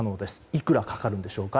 いくらかかるんでしょうか。